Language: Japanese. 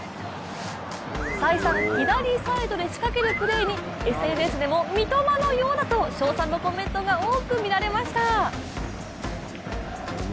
再三、左サイドで仕掛ける様子にＳＮＳでも三笘のようだと、称賛のコメントが多く見られました。